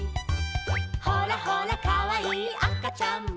「ほらほらかわいいあかちゃんも」